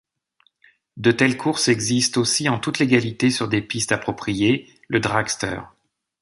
De telles courses existent aussi en toute légalité sur des pistes appropriées, le dragster.